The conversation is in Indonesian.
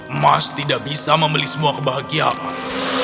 emas tidak bisa membeli semua kebahagiaan